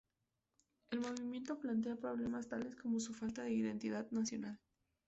El movimiento plantea problemas tales como su falta de identidad nacional.